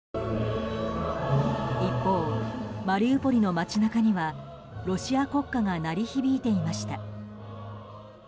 一方、マリウポリの街中にはロシア国歌が鳴り響いていました。